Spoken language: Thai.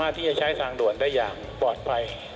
ที่จะใช้ทางด่วนได้อย่างปลอดภัย